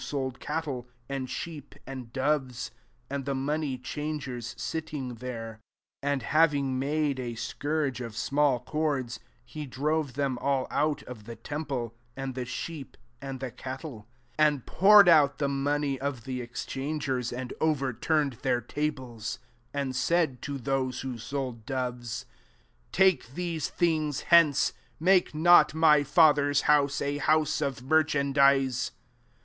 sold cattle, and sheep^ and doves; and the money changers sitting there: 15 anc^ having made a scourge o£ small cords, he drove them all out of the tem ple, and the sheep^ and the cat> tie ; and poured out the money of the excbangers, and ovei> turned their tables ; 16 and said to those who sold doves, " Take these things hence; make not my Father's house a house of merchandise."